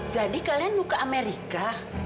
jadi kalian mau ke amerika